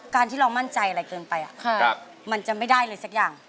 ที่เรามั่นใจอะไรเกินไปมันจะไม่ได้เลยสักอย่าง